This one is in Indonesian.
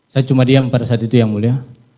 saya cuma diam pada saat itu yang mulia